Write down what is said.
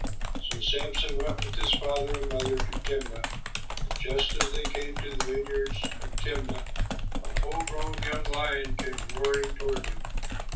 So Samson went with his father and mother to Timnah; and just as they came to the vineyards of Timnah, a full grown young lion came roaring toward him.